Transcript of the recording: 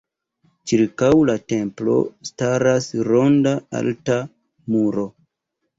Ĉirkaŭ la templo staras ronda alta muro.